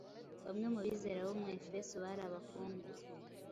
Bamwe mu bizera bo mu Efeso bari abakungu,